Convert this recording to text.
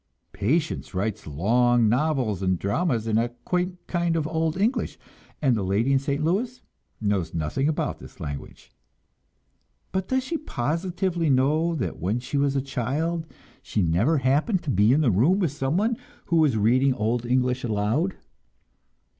Patience writes long novels and dramas in a quaint kind of old English, and the lady in St. Louis knows nothing about this language. But does she positively know that when she was a child, she never happened to be in the room with someone who was reading old English aloud?